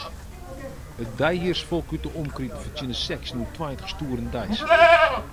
It deihiersfolk út 'e omkriten fertsjinne sechstjin oant tweintich stoeren deis.